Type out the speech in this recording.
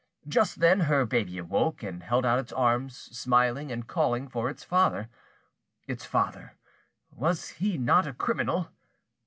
Just then her baby awoke, and held out its arms, smiling, and calling for its father. Its father, was he not a criminal?